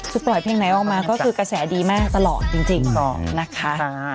คือปล่อยเพลงไหนออกมาก็คือกระแสดีมากตลอดจริงนะคะ